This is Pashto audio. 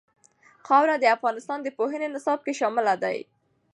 خاوره د افغانستان د پوهنې نصاب کې شامل دي.